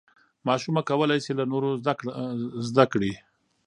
ماشومه کولی شي له نورو زده کړي.